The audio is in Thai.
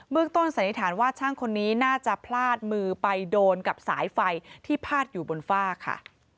ต้นสันนิษฐานว่าช่างคนนี้น่าจะพลาดมือไปโดนกับสายไฟที่พาดอยู่บนฝ้าค่ะ